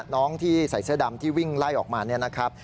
น้องที่ใส่เสื้อดำที่วิ่งไล่ออกมาเนี่ยนะครับ